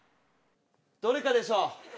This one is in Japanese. どれかでしょう。